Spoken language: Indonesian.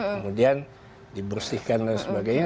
kemudian dibersihkan dan sebagainya